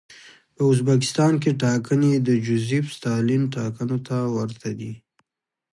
په ازبکستان کې ټاکنې د جوزېف ستالین ټاکنو ته ورته دي.